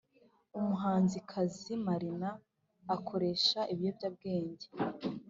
Umuhanzikazi marina akoresha ibiyobyabwenge